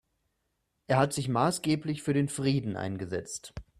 Er hat sich maßgeblich für den Frieden eingesetzt.